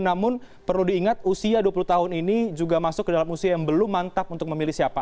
namun perlu diingat usia dua puluh tahun ini juga masuk ke dalam usia yang belum mantap untuk memilih siapa